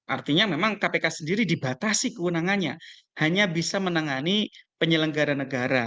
artinya memang kpk sendiri dibatasi kewenangannya hanya bisa menangani penyelenggara negara